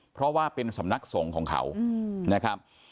เพราะว่าเป็นสำนักสงฆ์ของเขานะครับ